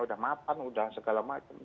sudah matang sudah segala macam